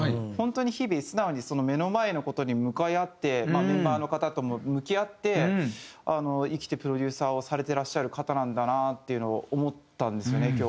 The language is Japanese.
本当に日々素直に目の前の事に向かい合ってメンバーの方とも向き合って生きてプロデューサーをされてらっしゃる方なんだなっていうのを思ったんですよね